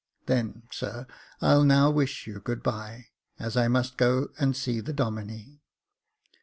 " Then, sir, I'll now wish you good bye, as I must go and see the Domine."